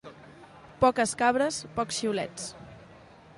Poques cabres, pocs xiulets.